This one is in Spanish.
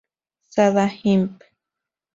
Sada Imp.